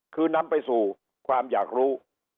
คือนำไปสู่ความอยากรู้